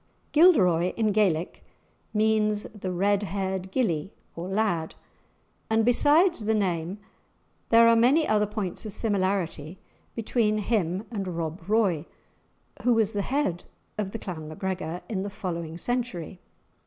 Gilderoy, in Gaelic, means the red haired gillie or lad, and besides the name there are many other points of similarity between him and Rob Roy, who was the head of the Clan MacGregor in the following century.